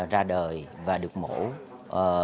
ra đời và được mổ